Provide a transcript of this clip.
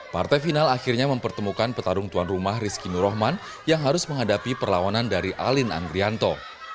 partai final akhirnya mempertemukan petarung tuan rumah rizky nurohman yang harus menghadapi perlawanan dari alin anggrianto